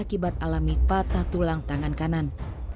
akibat alami patah tulang tangan kanan